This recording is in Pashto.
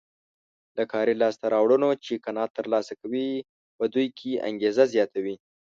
له کاري لاسته راوړنو چې قناعت ترلاسه کوي په دوی کې انګېزه زیاتوي.